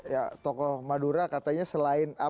ya toko madura katanya selain dream